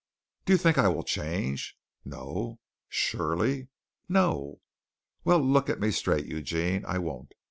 "Do you think I will change?" "No." "Surely?" "No." "Well, look at me straight, Eugene. I won't.